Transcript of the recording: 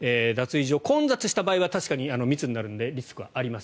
混雑した場合は確かに密になるのでリスクはあります。